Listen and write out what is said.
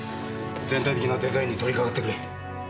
全体的なデザインに取りかかってくれ。